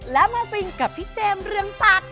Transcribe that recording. แล้วมาฟินกับพี่เจมส์เรืองศักดิ